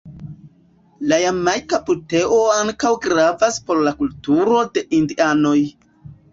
La Jamajka buteo ankaŭ gravas por la kulturo de indianoj.